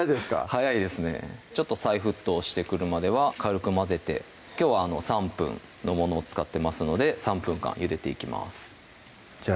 早いですねちょっと再沸騰してくるまでは軽く混ぜてきょうは３分のものを使ってますので３分間ゆでていきますじゃあ